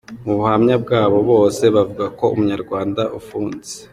Mu buhamya bwabo bose bavuga ko umunyarwanda ufunze.